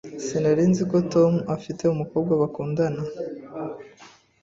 Sinari nzi ko Tom afite umukobwa bakundana.